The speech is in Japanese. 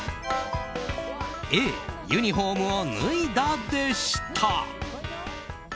Ａ、ユニホームを脱いだ、でした。